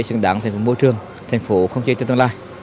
xứng đáng thành phố môi trường thành phố không chê chân tương lai